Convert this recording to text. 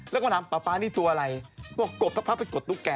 แล้วก็ถามป๊านี่ตัวอะไรบอกกบเขาพักไปกดทุกแก